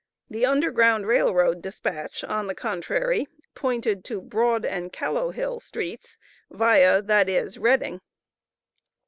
The Underground Rail Road despatch on the contrary pointed to Broad and Callowhill streets "Via," i.e. Reading.